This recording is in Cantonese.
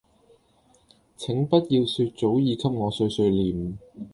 請不要說早已給我碎碎唸